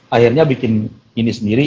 akhirnya bikin ini sendiri